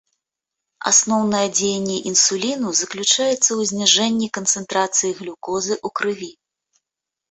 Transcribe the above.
Асноўнае дзеянне інсуліну заключаецца ў зніжэнні канцэнтрацыі глюкозы ў крыві.